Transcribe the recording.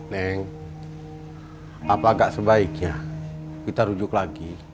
neng apakah sebaiknya kita rujuk lagi